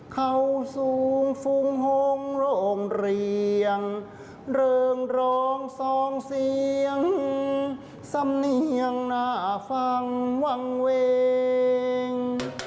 เขาสูงฟุ้งหงโรงเรียนเริงร้องสองเสียงสำเนียงน่าฟังวางเวง